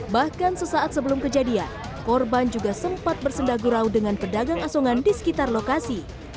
bahkan sesaat sebelum kejadian korban juga sempat bersendagurau dengan pedagang asongan di sekitar lokasi